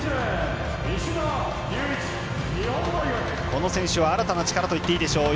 この選手は、新たな力といっていいでしょう。